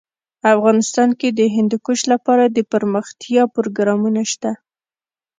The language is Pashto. افغانستان کې د هندوکش لپاره دپرمختیا پروګرامونه شته.